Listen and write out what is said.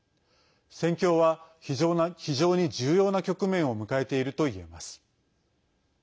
戦況は非常に重要な局面を迎えているといえます。